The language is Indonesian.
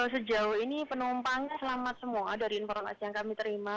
sejauh ini penumpangnya selamat semua dari informasi yang kami terima